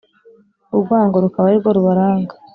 Urwango rukaba ari rwo rubaranga